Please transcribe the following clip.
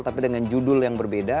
tapi dengan judul yang berbeda